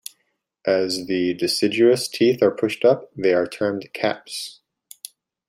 As the deciduous teeth are pushed up, they are termed "caps".